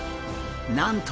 なんと！